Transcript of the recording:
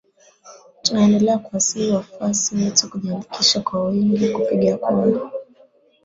Tunaendelea kuwasihi wafuasi wetu kujiandikisha kwa wingi kupiga kura